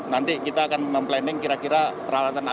nanti kita akan memplanning kira kira peralatan apa